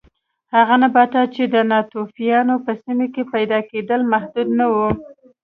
هغه نباتات چې د ناتوفیانو په سیمه کې پیدا کېدل محدود نه و